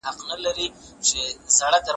برس کول ممکن د ناروغیو خطر کم کړي.